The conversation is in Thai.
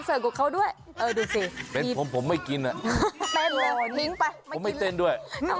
เต้นเลยนิ้งไปไม่กินเลยจริงผมไม่เต้นด้วย